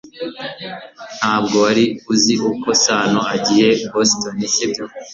Ntabwo wari uzi ko Sano agiye Boston sibyo